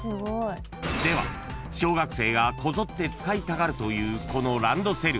では小学生がこぞって使いたがるというこのランドセル。